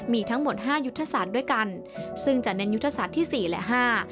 มีทั้งหมดห้ายุทธศาสตร์ด้วยกันซึ่งจะเน้นยุทธศาสตร์ที่สี่และห้า